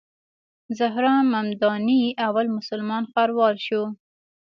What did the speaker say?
زهران ممداني اول مسلمان ښاروال شو.